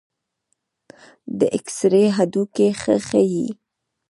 د ایکسرې هډوکي ښه ښيي.